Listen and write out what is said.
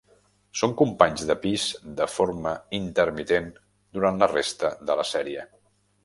Són companys de pis de forma intermitent durant la resta de la sèrie.